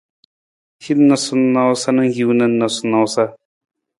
Hin noosanoosa na hiwung na noosanoosa.